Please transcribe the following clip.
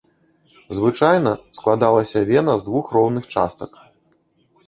Звычайна, складалася вена з двух роўных частак.